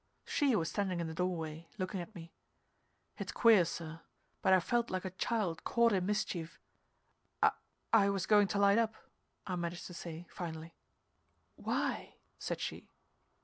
She was standing in the doorway, looking at me. It's queer, sir, but I felt like a child caught in mischief. "I I was going to light up," I managed to say, finally. "Why?" said she.